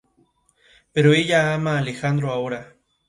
Pero ella ama a Alejandro ahora.